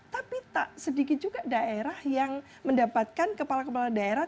tapi tak sedikit juga daerah yang mendapatkan kepala kepala daerah